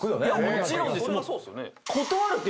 もちろんです。